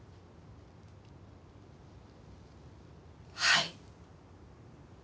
はい。